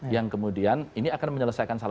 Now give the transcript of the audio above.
yang kemudian ini akan menyelesaikan salah satu hal